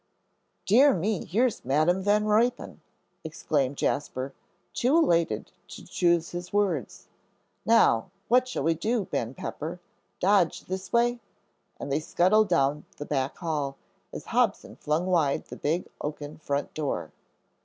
"Dear me! Here's Madam Van Ruypen," exclaimed Jasper, too elated to choose his words. "Now, what shall we do, Ben Pepper? Dodge this way;" and they scuttled down the back hall, as Hobson flung wide the big oaken front door.